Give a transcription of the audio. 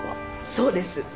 そうです。